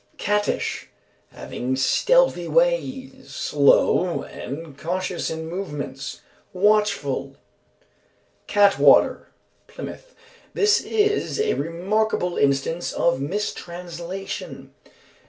Cattish. Having stealthy ways, slow and cautious in movements, watchful. Catwater. (Plymouth). "This is a remarkable instance of mistranslation.